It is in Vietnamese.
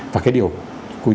và cái điều